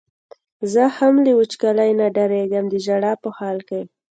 زه هم له وچکالۍ نه ډارېږم د ژړا په حال کې.